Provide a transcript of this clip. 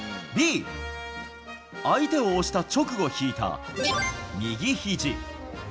Ｂ、相手を押した直後引いた右ひじ。